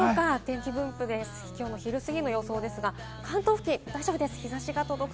きょうの昼すぎの予想ですが、関東地方は大丈夫です。